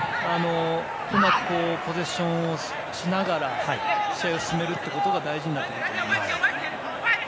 うまくポゼッションをしながら試合を進めることが大事になってくると思います。